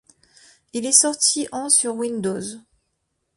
Il est sorti en sur Windows.